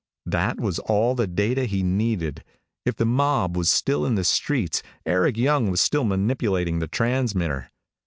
That was all the data he needed. If the mob was still in the streets, Eric Young was still manipulating the transmitter.